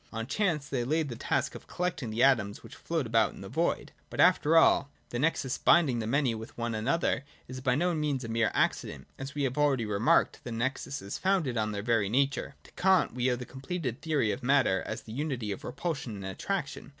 On chance they laid the task of collecting the atoms which float about in the void. But, after all, the nexus binding the many with one another is by no means a mere accident : as we have already remarked, the nexus is founded on their very nature. To Kant we owe the completed theory of matter as the unity of repulsion and attraction.